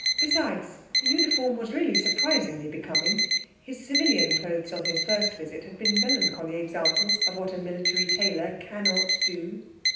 Besides, the uniform was really surprisingly becoming; his civilian clothes on his first visit had been melancholy examples of what a military tailor cannot do.